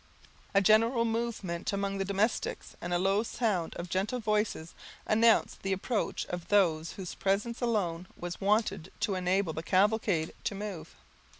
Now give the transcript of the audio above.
A general movement among the domestics, and a low sound of gentle voices, announced the approach of those whose presence alone was wanted to enable the cavalcade to move.